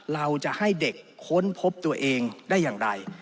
เราจะให้เด็กค้นพบตัวเองได้อย่างไร